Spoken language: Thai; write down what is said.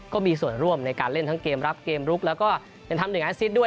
ก็มีส่วนร่วมในการเล่นทั้งเกมรับเกมลุกแล้วก็เป็นธรรมหนึ่งแอสซิดด้วย